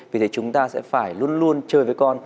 vì thế chúng ta sẽ phải luôn luôn chơi với con